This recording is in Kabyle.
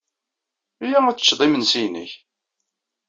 Iyya ad teččeḍ imensi-inek.